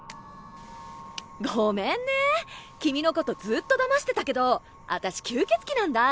ごめんね君のことずっとだましてたけどあたし吸血鬼なんだ。